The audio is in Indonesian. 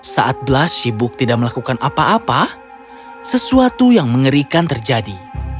saat blas sibuk tidak melakukan apa apa sesuatu yang mengerikan terjadi